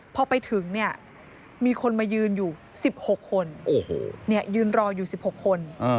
พอไปถึงเนี่ยมีคนมายืนอยู่๑๖คนยืนรออยู่๑๖คน